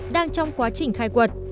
đang trong quá trình khai quật